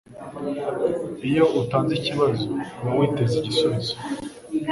Iyo utanze ikibazo, uba witeze igisubizo.